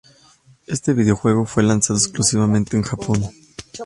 Este videojuego fue lanzado exclusivamente en Japón.